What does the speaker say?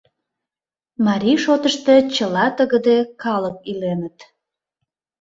Марий шотышто чыла тыгыде калык иленыт.